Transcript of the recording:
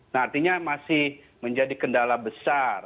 nah artinya masih menjadi kendala besar